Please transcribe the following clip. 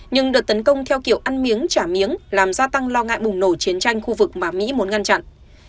nhưng đợt tấn công theo kiểu ăn miếng trả miếng làm gia tăng lo ngại bùng nổ chiến tranh khu vực mà mỹ muốn ngăn chặn